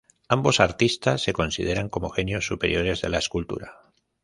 Ambos artistas se consideran como genios superiores de la escultura.